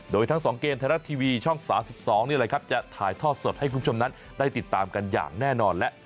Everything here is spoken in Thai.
โดยทั้ง๒เกมไทยรัฐทีวีช่อง๓๒นี่แหละครับจะถ่ายทอดสดให้คุณผู้ชมนั้นได้ติดตามกันอย่างแน่นอนแล้ว